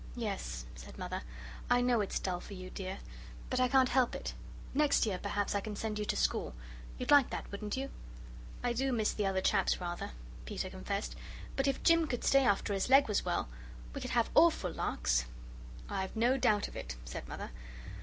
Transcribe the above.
"Yes," said Mother, "I know it's dull for you, dear. But I can't help it. Next year perhaps I can send you to school you'd like that, wouldn't you?" "I do miss the other chaps, rather," Peter confessed; "but if Jim could stay after his leg was well, we could have awful larks." "I've no doubt of it," said Mother.